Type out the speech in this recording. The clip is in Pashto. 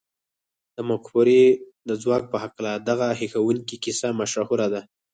د مفکورې د ځواک په هکله دغه هيښوونکې کيسه مشهوره ده.